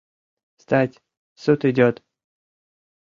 — Встать, суд идёт!